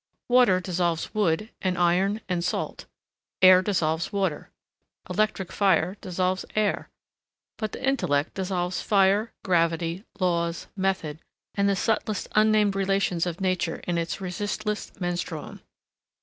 Water dissolves wood and iron and salt; air dissolves water; electric fire dissolves air, but the intellect dissolves fire, gravity, laws, method, and the subtlest unnamed relations of nature in its resistless menstruum.